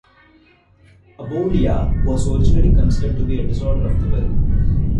Aboulia was originally considered to be a disorder of the will.